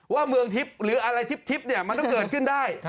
ว่าเมืองทริปหรืออะไรทริปมันจะเกิดขึ้นได้